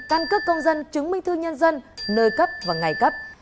căn cước công dân chứng minh thư nhân dân nơi cấp và ngày cấp